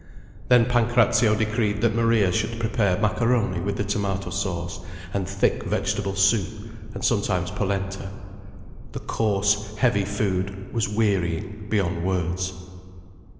Then Pancrazio decreed that Maria should prepare macaroni with the tomato sauce, and thick vegetable soup, and sometimes polenta. This coarse, heavy food was wearying beyond words.